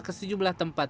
ke sejumlah tempat